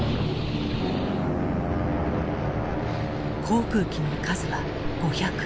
航空機の数は５００。